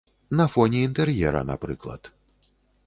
На фоне інтэр'ера, напрыклад.